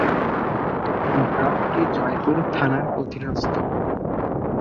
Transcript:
ব্লকটি জয়পুর থানার অধীনস্থ।